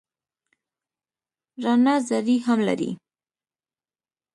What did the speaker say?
رڼا ذرې هم لري.